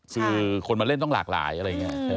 คือคนมาเล่นต้องหลากหลายอะไรอย่างนี้